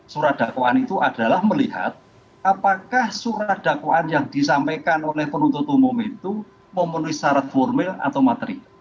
surat dakwaan itu adalah melihat apakah surat dakwaan yang disampaikan oleh penuntut umum itu memenuhi syarat formil atau materi